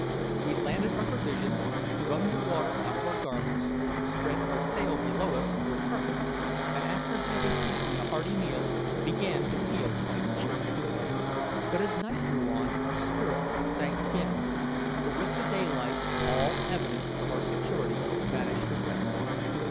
We landed our provisions, wrung the water out of our garments, spread our sail below us for a carpet, and after having eaten a hearty meal, began to feel quite cheerful. But as night drew on our spirits sank again, for with the daylight all evidence of our security vanished away.